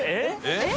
えっ？